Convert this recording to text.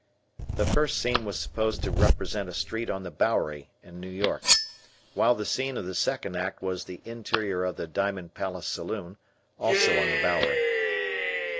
The first scene was supposed to represent a street on the Bowery in New York. While the scene of the second act was the interior of the Diamond Palace Saloon, also on the Bowery.